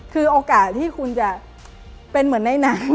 คือโอกาสที่คุณจะเป็นเหมือนในน้ำ